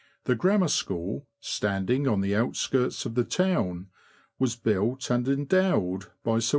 The Grammar School, standing on the outskirts of the town, was built and endowed by Sir W.